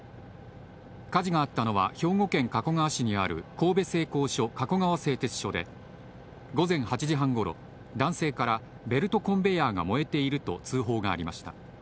火事があったのは、兵庫県加古川市にある神戸製鋼所・加古川製鉄所で午前８時半頃、男性からベルトコンベヤーが燃えていると通報がありました。